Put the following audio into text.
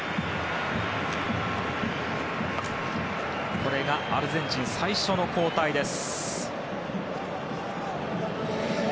これがアルゼンチン最初の交代です。